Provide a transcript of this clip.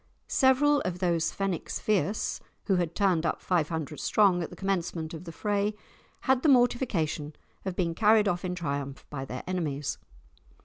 Several of those "Fenwicks fierce," who had turned up five hundred strong at the commencement of the fray, had the mortification of being carried off in triumph by their enemies.